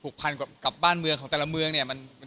ภูกภัยรับกับบ้านเมืองภูติสมทน้ำ